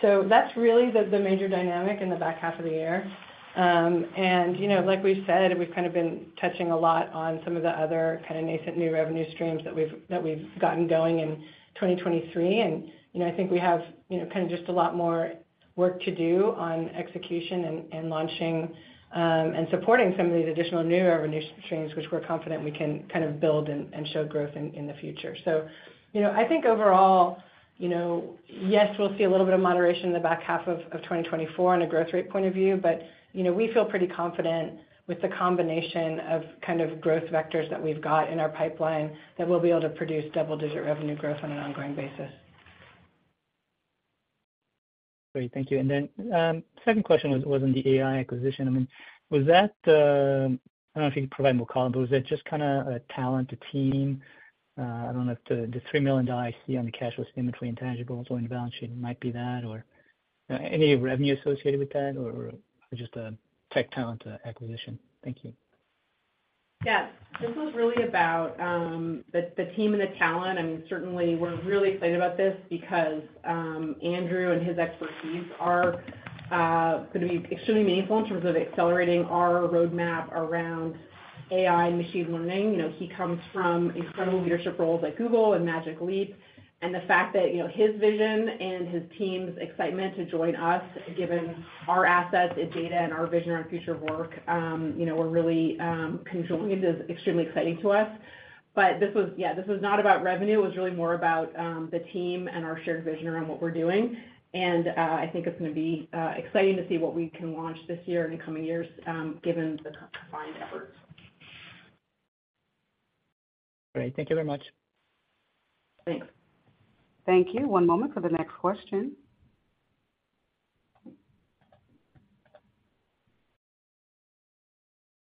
So that's really the major dynamic in the back half of the year. And like we've said, we've kind of been touching a lot on some of the other kind of nascent new revenue streams that we've gotten going in 2023. And I think we have kind of just a lot more work to do on execution and launching and supporting some of these additional new revenue streams, which we're confident we can kind of build and show growth in the future. So I think overall, yes, we'll see a little bit of moderation in the back half of 2024 on a growth rate point of view, but we feel pretty confident with the combination of kind of growth vectors that we've got in our pipeline that we'll be able to produce double-digit revenue growth on an ongoing basis. Great. Thank you. And then second question was on the AI acquisition. I mean, was that I don't know if you could provide more color, but was it just kind of talent, a team? I don't know if the $3 million I see on the cash flow statement between intangibles or in balance sheet, might be that, or any revenue associated with that, or just a tech talent acquisition? Thank you. Yeah. This was really about the team and the talent. I mean, certainly, we're really excited about this because Andrew and his expertise are going to be extremely meaningful in terms of accelerating our roadmap around AI and machine learning. He comes from incredible leadership roles at Google and Magic Leap. And the fact that his vision and his team's excitement to join us given our assets and data and our vision around future work were really conjoined is extremely exciting to us. But yeah, this was not about revenue. It was really more about the team and our shared vision around what we're doing. And I think it's going to be exciting to see what we can launch this year and in coming years given the combined efforts. Great. Thank you very much. Thanks. Thank you. One moment for the next question.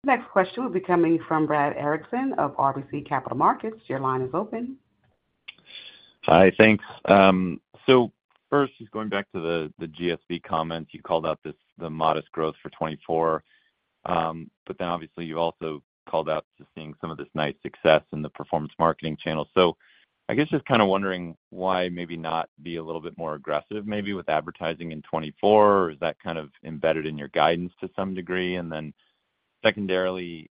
Next question will be coming from Brad Erickson of RBC Capital Markets. Your line is open. Hi. Thanks. So first, just going back to the GSV comments, you called out the modest growth for 2024. But then obviously, you've also called out to seeing some of this nice success in the performance marketing channel. So I guess just kind of wondering why maybe not be a little bit more aggressive maybe with advertising in 2024, or is that kind of embedded in your guidance to some degree? And then secondarily,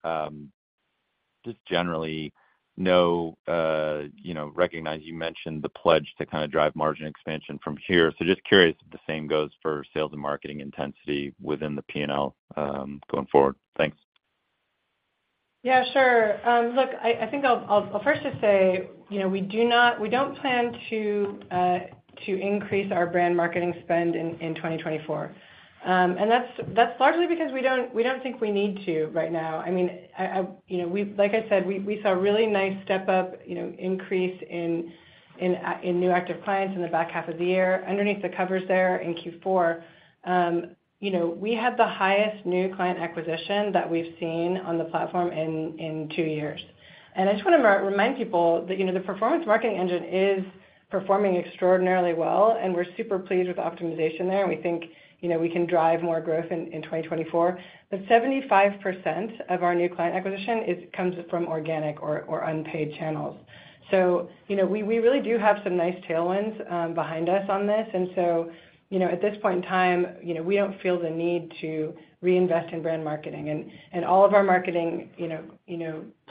just generally, recognize you mentioned the pledge to kind of drive margin expansion from here. So just curious if the same goes for sales and marketing intensity within the P&L going forward. Thanks. Yeah. Sure. Look, I think I'll first just say we don't plan to increase our brand marketing spend in 2024. That's largely because we don't think we need to right now. I mean, like I said, we saw a really nice step-up increase in new active clients in the back half of the year. Underneath the covers there in Q4, we had the highest new client acquisition that we've seen on the platform in two years. I just want to remind people that the performance marketing engine is performing extraordinarily well, and we're super pleased with optimization there, and we think we can drive more growth in 2024. 75% of our new client acquisition comes from organic or unpaid channels. We really do have some nice tailwinds behind us on this. At this point in time, we don't feel the need to reinvest in brand marketing. All of our marketing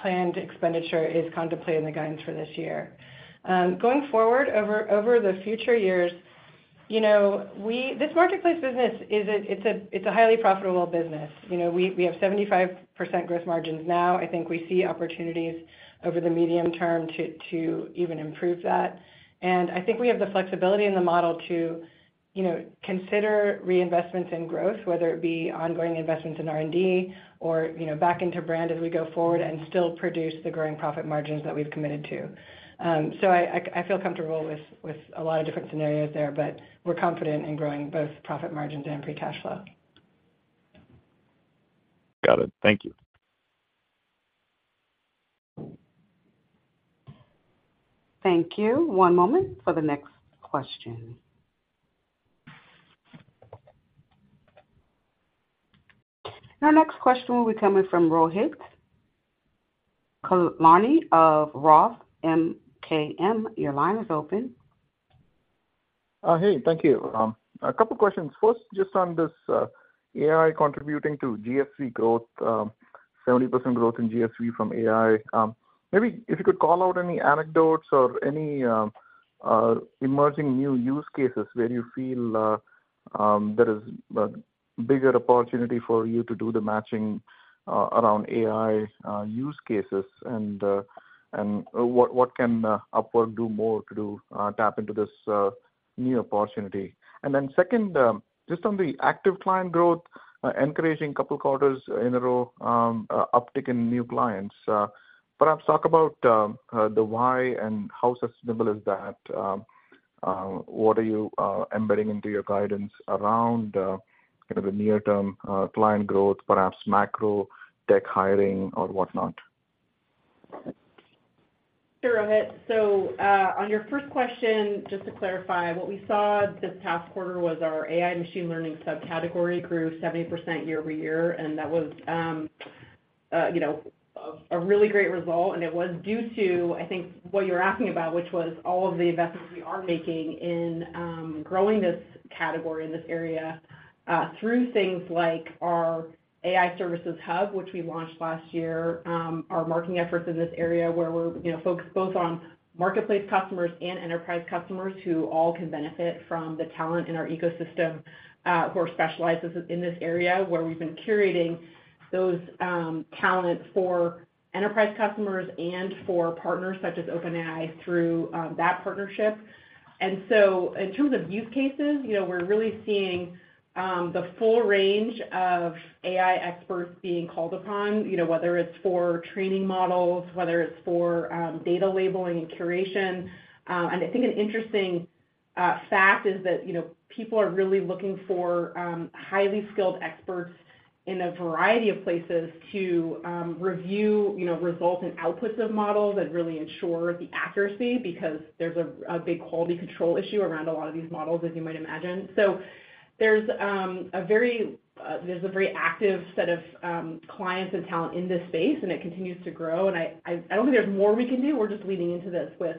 planned expenditure is contemplated in the guidance for this year. Going forward, over the future years, this marketplace business, it's a highly profitable business. We have 75% gross margins now. I think we see opportunities over the medium term to even improve that. I think we have the flexibility in the model to consider reinvestments in growth, whether it be ongoing investments in R&D or back into brand as we go forward and still produce the growing profit margins that we've committed to. I feel comfortable with a lot of different scenarios there, but we're confident in growing both profit margins and free cash flow. Got it. Thank you. Thank you. One moment for the next question. Our next question will be coming from Rohit Kulkarni of Roth MKM. Your line is open. Hey. Thank you, Ron. A couple of questions. First, just on this AI contributing to GSV growth, 70% growth in GSV from AI. Maybe if you could call out any anecdotes or any emerging new use cases where you feel there is a bigger opportunity for you to do the matching around AI use cases, and what can Upwork do more to tap into this new opportunity? And then second, just on the active client growth, encouraging couple of quarters in a row uptick in new clients. Perhaps talk about the why and how sustainable is that? What are you embedding into your guidance around the near-term client growth, perhaps macro, tech hiring, or whatnot? Sure, Rohit. So on your first question, just to clarify, what we saw this past quarter was our AI machine learning subcategory grew 70% year-over-year, and that was a really great result. And it was due to, I think, what you were asking about, which was all of the investments we are making in growing this category in this area through things like our AI services hub, which we launched last year, our marketing efforts in this area where we're focused both on marketplace customers and enterprise customers who all can benefit from the talent in our ecosystem who are specialized in this area where we've been curating those talent for enterprise customers and for partners such as OpenAI through that partnership. In terms of use cases, we're really seeing the full range of AI experts being called upon, whether it's for training models, whether it's for data labeling and curation. I think an interesting fact is that people are really looking for highly skilled experts in a variety of places to review results and outputs of models and really ensure the accuracy because there's a big quality control issue around a lot of these models, as you might imagine. There's a very active set of clients and talent in this space, and it continues to grow. I don't think there's more we can do. We're just leading into this with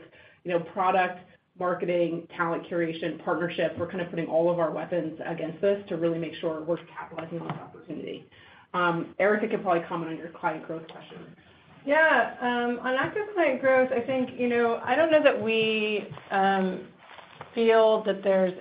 product, marketing, talent curation, partnerships. We're kind of putting all of our weapons against this to really make sure we're capitalizing on this opportunity. Erica, you can probably comment on your client growth question. Yeah. On active client growth, I think I don't know that we feel that there's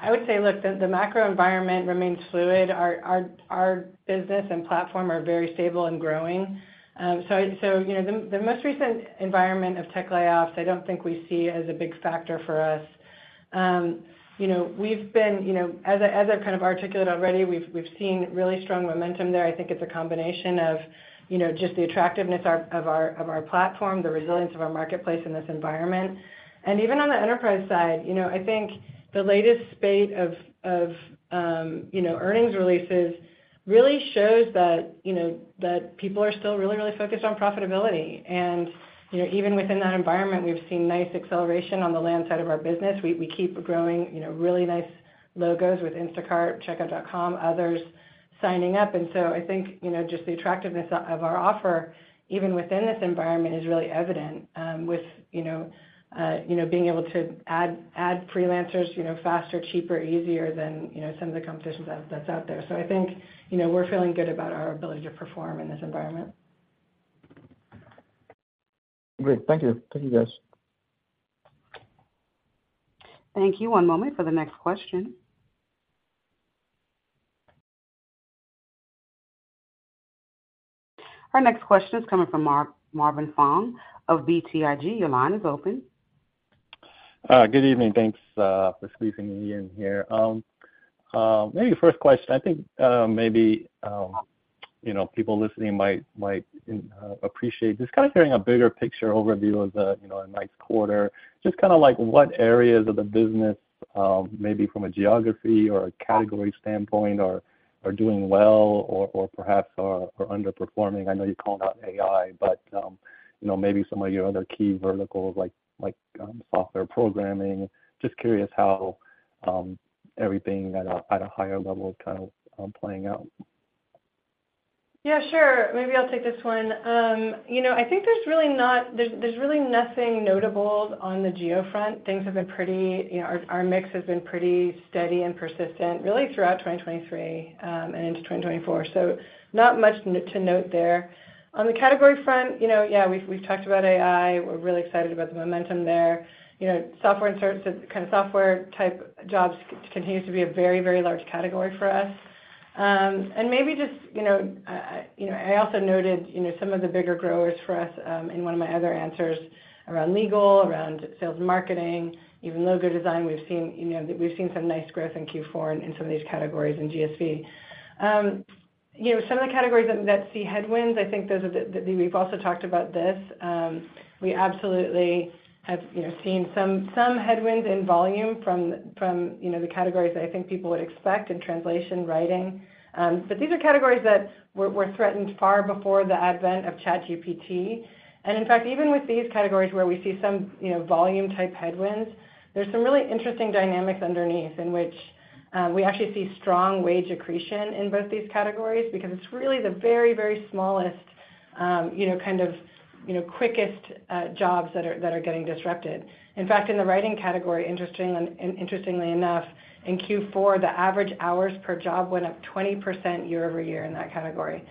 I would say, look, the macro environment remains fluid. Our business and platform are very stable and growing. So the most recent environment of tech layoffs, I don't think we see as a big factor for us. We've been as I've kind of articulated already, we've seen really strong momentum there. I think it's a combination of just the attractiveness of our platform, the resilience of our marketplace in this environment. And even on the enterprise side, I think the latest spate of earnings releases really shows that people are still really, really focused on profitability. And even within that environment, we've seen nice acceleration on the land side of our business. We keep growing really nice logos with Instacart, Checkout.com, others signing up. And so I think just the attractiveness of our offer, even within this environment, is really evident with being able to add freelancers faster, cheaper, easier than some of the competitions that's out there. So I think we're feeling good about our ability to perform in this environment. Great. Thank you. Thank you, guys. Thank you. One moment for the next question. Our next question is coming from Marvin Fong of BTIG. Your line is open. Good evening. Thanks for squeezing me in here. Maybe first question, I think maybe people listening might appreciate just kind of hearing a bigger picture overview of next quarter, just kind of what areas of the business, maybe from a geography or a category standpoint, are doing well or perhaps are underperforming. I know you called out AI, but maybe some of your other key verticals like software programming. Just curious how everything at a higher level is kind of playing out? Yeah. Sure. Maybe I'll take this one. I think there's really nothing notable on the geo front. Things have been pretty steady. Our mix has been pretty steady and persistent really throughout 2023 and into 2024, so not much to note there. On the category front, yeah, we've talked about AI. We're really excited about the momentum there. Kind of software-type jobs continues to be a very, very large category for us. And maybe just I also noted some of the bigger growers for us in one of my other answers around legal, around sales and marketing, even logo design. We've seen some nice growth in Q4 and in some of these categories in GSV. Some of the categories that see headwinds, I think those are the we've also talked about this. We absolutely have seen some headwinds in volume from the categories that I think people would expect in translation, writing. But these are categories that were threatened far before the advent of ChatGPT. And in fact, even with these categories where we see some volume-type headwinds, there's some really interesting dynamics underneath in which we actually see strong wage accretion in both these categories because it's really the very, very smallest kind of quickest jobs that are getting disrupted. In fact, in the writing category, interestingly enough, in Q4, the average hours per job went up 20% year-over-year in that category.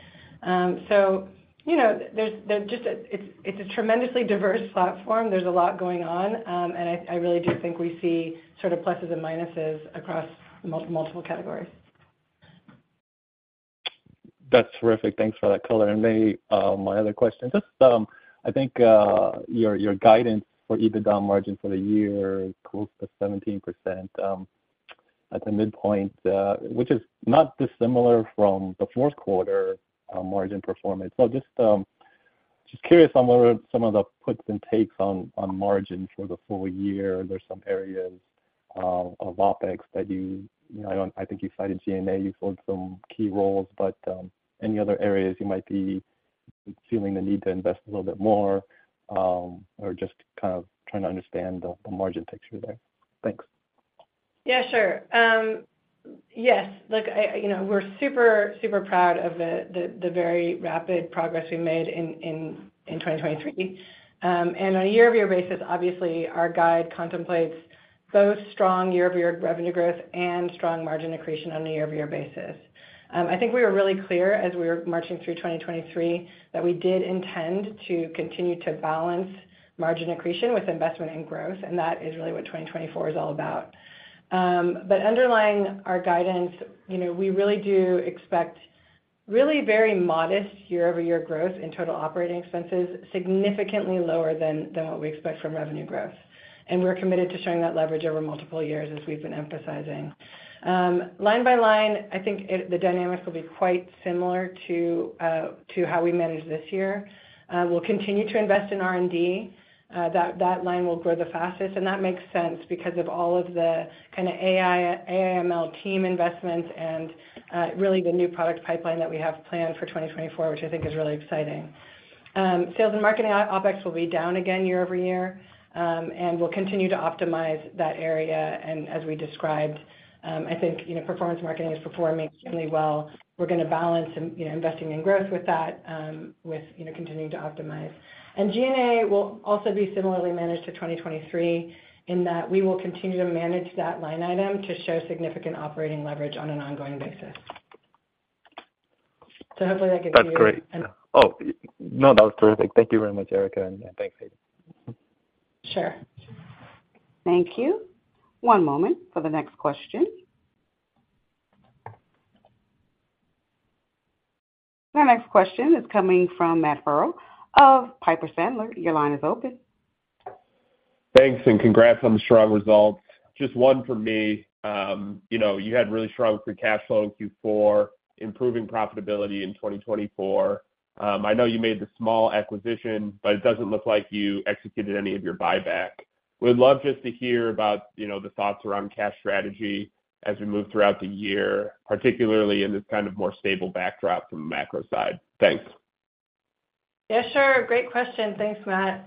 So it's a tremendously diverse platform. There's a lot going on. And I really do think we see sort of pluses and minuses across multiple categories. That's terrific. Thanks for that color. And maybe my other question, just I think your guidance for EBITDA margin for the year close to 17% at the midpoint, which is not dissimilar from the fourth quarter margin performance. So just curious on some of the puts and takes on margin for the full year. Are there some areas of OpEx that you I think you cited G&A. You filled some key roles. But any other areas you might be feeling the need to invest a little bit more or just kind of trying to understand the margin picture there? Thanks. Yeah. Sure. Yes. Look, we're super, super proud of the very rapid progress we made in 2023. On a year-over-year basis, obviously, our guide contemplates both strong year-over-year revenue growth and strong margin accretion on a year-over-year basis. I think we were really clear as we were marching through 2023 that we did intend to continue to balance margin accretion with investment and growth, and that is really what 2024 is all about. Underlying our guidance, we really do expect really very modest year-over-year growth in total operating expenses, significantly lower than what we expect from revenue growth. We're committed to showing that leverage over multiple years, as we've been emphasizing. Line by line, I think the dynamics will be quite similar to how we manage this year. We'll continue to invest in R&D. That line will grow the fastest. That makes sense because of all of the kind of AI/ML team investments and really the new product pipeline that we have planned for 2024, which I think is really exciting. Sales and marketing OpEx will be down again year-over-year, and we'll continue to optimize that area. As we described, I think performance marketing is performing extremely well. We're going to balance investing in growth with that, with continuing to optimize. G&A will also be similarly managed to 2023 in that we will continue to manage that line item to show significant operating leverage on an ongoing basis. So hopefully, that gives you. That's great. Oh, no, that was terrific. Thank you very much, Erica. And thanks, Hayden. Sure. Thank you. One moment for the next question. Our next question is coming from Matt Farrell of Piper Sandler. Your line is open. Thanks and congrats on the strong results. Just one for me. You had really strong free cash flow in Q4, improving profitability in 2024. I know you made the small acquisition, but it doesn't look like you executed any of your buyback. We'd love just to hear about the thoughts around cash strategy as we move throughout the year, particularly in this kind of more stable backdrop from the macro side. Thanks. Yeah. Sure. Great question. Thanks, Matt.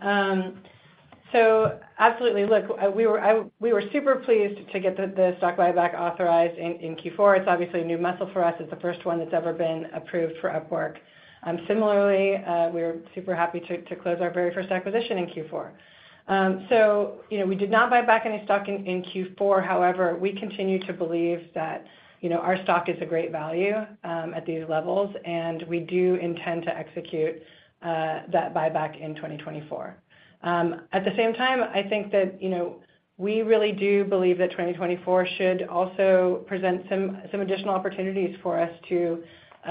So absolutely. Look, we were super pleased to get the stock buyback authorized in Q4. It's obviously a new muscle for us. It's the first one that's ever been approved for Upwork. Similarly, we were super happy to close our very first acquisition in Q4. So we did not buy back any stock in Q4. However, we continue to believe that our stock is a great value at these levels, and we do intend to execute that buyback in 2024. At the same time, I think that we really do believe that 2024 should also present some additional opportunities for us to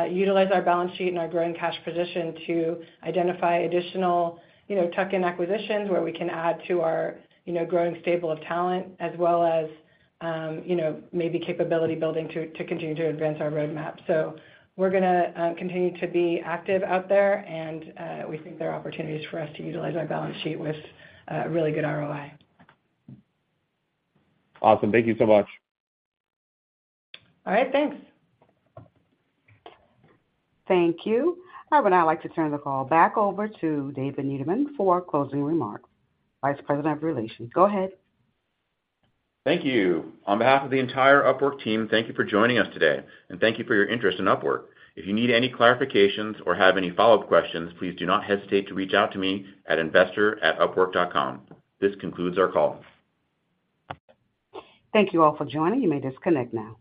utilize our balance sheet and our growing cash position to identify additional tuck-in acquisitions where we can add to our growing stable of talent as well as maybe capability building to continue to advance our roadmap. So we're going to continue to be active out there, and we think there are opportunities for us to utilize our balance sheet with a really good ROI. Awesome. Thank you so much. All right. Thanks. Thank you. Now, I'd like to turn the call back over to David Niederman for closing remarks, Vice President of Relations. Go ahead. Thank you. On behalf of the entire Upwork team, thank you for joining us today, and thank you for your interest in Upwork. If you need any clarifications or have any follow-up questions, please do not hesitate to reach out to me at investor@upwork.com. This concludes our call. Thank you all for joining. You may disconnect now.